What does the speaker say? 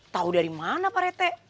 tahu dari mana pak rete